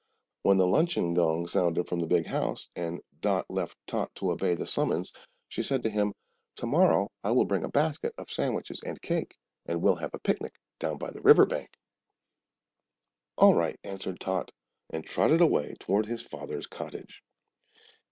When the luncheon gong sounded from the big house, and Dot left Tot to obey the summons, she said to him, "Tomorrow I will bring a basket of sandwiches and cake, and we'll have a picnic down by the river bank." "All right!" answered Tot, and trotted away toward his father's cottage.